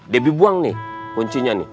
debbie buang nih kuncinya nih